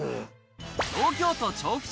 東京都調布市。